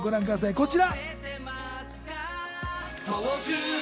こちら！